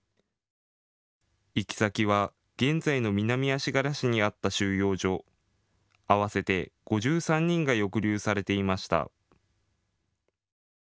行き先は現在の南足柄市にあった収容所、合わせて５３人が抑留されていました。